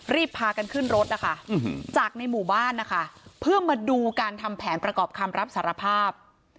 พากันขึ้นรถนะคะจากในหมู่บ้านนะคะเพื่อมาดูการทำแผนประกอบคำรับสารภาพ